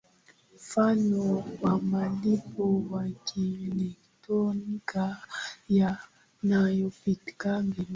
mfano wa malipo ya kielektroniki yanayopitia benki